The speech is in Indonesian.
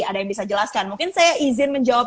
ada yang bisa jelaskan mungkin saya izin menjawab